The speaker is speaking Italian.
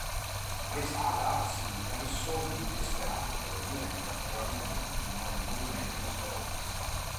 Väisälä si interessò di esperanto, e divenne particolarmente attivo nel movimento esperantista.